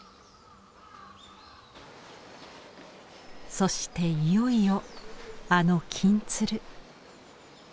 そしていよいよあの金鶴。